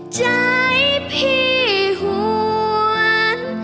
ใจพี่หวน